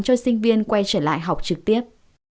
cho sinh viên quay trở lại học trực tiếp